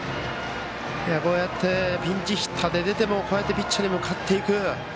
こうやってピンチヒッターで出てもこうやってピッチャーに向かっていく。